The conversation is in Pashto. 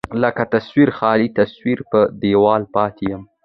لکه تصوير، خالي تصوير په دېواله پاتې يم